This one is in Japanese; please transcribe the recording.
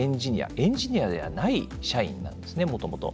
エンジニアではない社員なんですね、もともと。